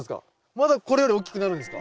まだこれより大きくなるんですか？